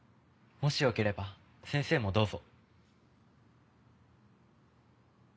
もし良ければ先生もどうぞ。